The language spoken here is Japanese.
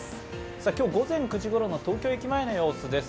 今日午前９時ごろの東京駅前の様子です。